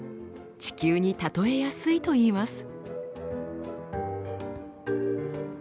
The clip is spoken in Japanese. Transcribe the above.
地球に例えやすいといいます。